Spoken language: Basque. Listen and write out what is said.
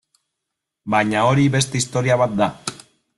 Baina hori beste historia bat da.